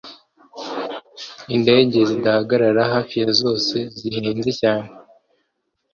Indege zidahagarara hafi ya zose zihenze cyane